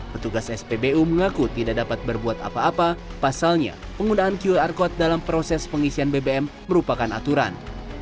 petugas spbu mengaku tidak dapat berbuat apa apa pasalnya penggunaan qr code dalam proses pengisian bbm merupakan aturan